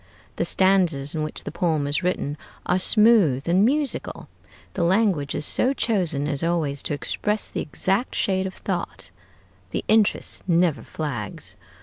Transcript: The stanzas in which the poem is written are smooth and musical, the language is so chosen as always to express the exact shade of thought, the interest never flags.